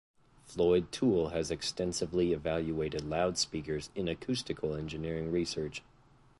Floyd Toole has extensively evaluated loudspeakers in acoustical engineering research.